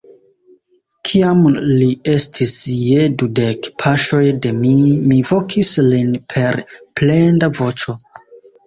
Kiam li estis je dudek paŝoj de mi, mi vokis lin per plenda voĉo.